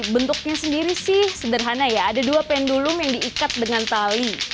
bentuknya sendiri sih sederhana ya ada dua pendulum yang diikat dengan tali